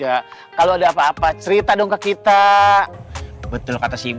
iya pak rizah kalau ada apa apa cerita dong ke kita betul kata si iboib